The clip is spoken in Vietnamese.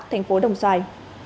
thành phố đồng xoài